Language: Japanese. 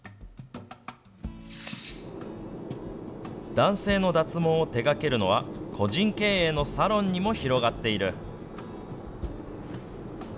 男性の脱毛を手がけるのは、個人経営のサロンにも広がっている。